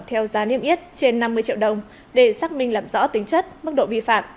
theo giá niêm yết trên năm mươi triệu đồng để xác minh làm rõ tính chất mức độ vi phạm